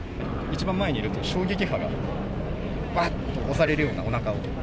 一番前にいると、衝撃波が、わっと押されるような、おなかを。